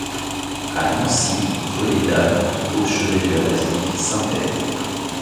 À Nancy, rue des Dames, au chevet de la basilique Saint-Epvre.